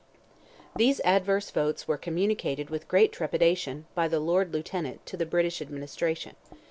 These adverse votes were communicated with great trepidation, by the Lord Lieutenant, to the British administration.